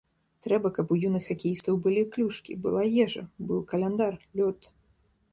Трэба, каб у юных хакеістаў былі клюшкі, была ежа, быў каляндар, лёд.